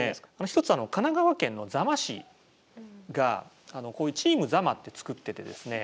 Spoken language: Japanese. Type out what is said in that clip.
一つは神奈川県の座間市がこういう「チーム座間」って作っててですね